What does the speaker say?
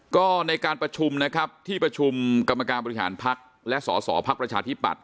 ก็ในการประชุมนะครับที่ประชุมกรรมการบริหารพักและสอสอพักประชาธิปัตย